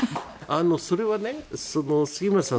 それは杉村さん